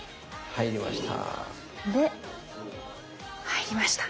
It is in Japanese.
入りました。